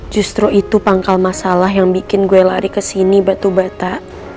justru itu pangkal masalah yang bikin gue lari ke sini batu bata